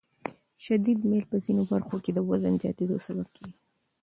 شدید میل په ځینو برخو کې د وزن زیاتېدو سبب کېږي.